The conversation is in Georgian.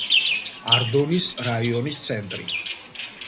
არდონის რაიონის ცენტრი.